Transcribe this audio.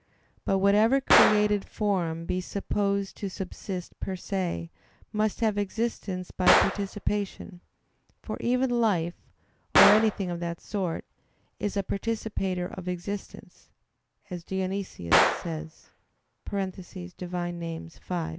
But whatever created form be supposed to subsist "per se," must have existence by participation; for "even life," or anything of that sort, "is a participator of existence," as Dionysius says (Div. Nom. v).